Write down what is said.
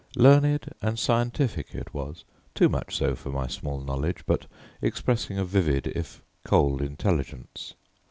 Learned and scientific it was, too much so for my small knowledge, but expressing a vivid if cold intelligence.